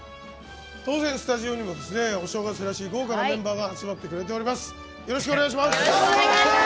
当然、スタジオにもお正月らしい豪華なメンバーが集まってくれています。